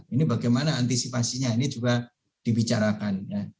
ini bagaimana antisipasinya ini juga dibicarakan